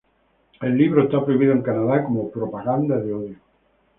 El libro está prohibido en Canadá como "propaganda de odio".